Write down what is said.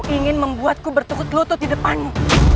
jangan sampai kau menyesal sudah menentangku